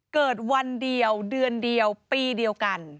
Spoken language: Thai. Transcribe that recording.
วันเดียวเดือนเดียวปีเดียวกัน